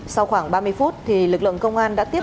sau khoảng ba mươi phút lực lượng công an đã tiếp